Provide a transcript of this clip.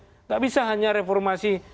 tidak bisa hanya reformasi